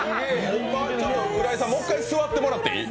浦井さんもう一回座ってもらっていい？